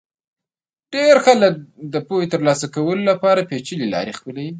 ډېر خلک د پوهې ترلاسه کولو لپاره پېچلې لار خپلوي.